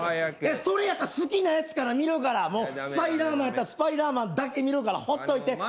それやったら好きなやつから見るから「スパイダーマン」やったら「スパイダーマン」だけ見るからほっといて。